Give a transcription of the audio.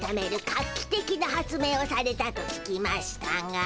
画期的な発明をされたと聞きましたが。